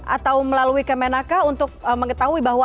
atau melalui kemenaka untuk mengetahui bahwa